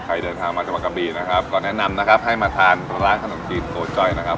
ใครเดินทางมาจมกบีก็แนะนำนะครับให้มาทานร้านขนมจีนโต๊ะจอยนะครับ